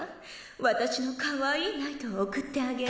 私のかわいいナイトを送ってあげる。